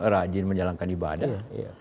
rajin menjalankan ibadah